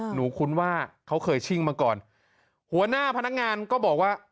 คุ้นว่าเขาเคยชิ่งมาก่อนหัวหน้าพนักงานก็บอกว่า